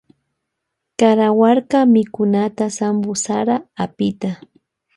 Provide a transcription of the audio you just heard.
Karawarka mikunata sanwu sara apita.